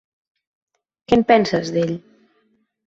Què en penses, d'ell?